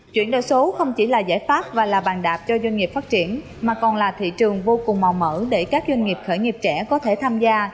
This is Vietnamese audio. chuyển đổi số không chỉ là giải pháp và là bàn đạp cho doanh nghiệp phát triển mà còn là thị trường vô cùng màu mở để các doanh nghiệp khởi nghiệp trẻ có thể tham gia